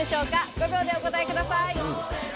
５秒でお答えください。